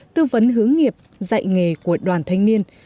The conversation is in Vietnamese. tư vấn hướng nghiệp dạy nghề của đoàn thanh niên